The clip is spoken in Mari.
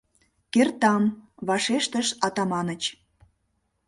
— Кертам! — вашештыш Атаманыч.